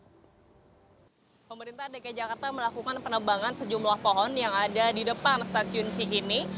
pemerintah dki jakarta melakukan penebangan sejumlah pohon yang ada di depan stasiun cikini